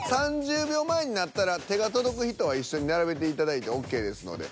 ３０秒前になったら手が届く人は一緒に並べていただいてＯＫですので。